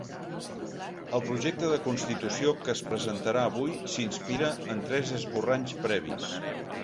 El projecte de constitució que es presentarà avui s’inspira en tres esborranys previs.